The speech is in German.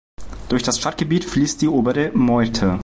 Durch das Stadtgebiet fließt die obere Meurthe.